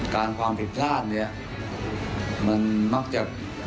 การความผิดพลาดเนี้ยมันมักจะ